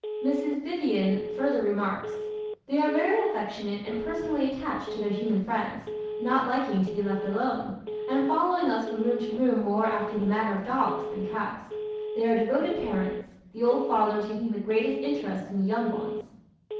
Mrs. Vyvyan further remarks: "They are very affectionate and personally attached to their human friends, not liking to be left alone, and following us from room to room more after the manner of dogs than cats. "They are devoted parents, the old father taking the greatest interest in the young ones.